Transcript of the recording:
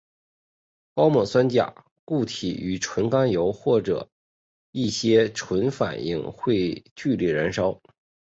高锰酸钾固体与纯甘油或一些醇反应会剧烈燃烧。